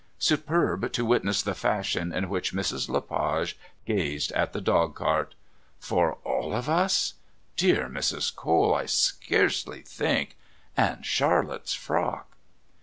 Superb to witness the fashion in which Mrs. Le Page gazed at the dog cart. "For all of us?... Dear Mrs. Cole, I scarcely think And Charlotte's frock..."